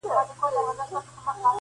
اوړی تېر سو لا غنم مو نه پخېږي,